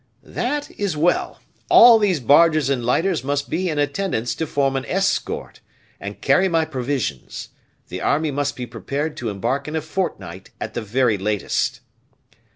"That is well. All these barges and lighters must be in attendance to form an escort and carry my provisions. The army must be prepared to embark in a fortnight at the very latest."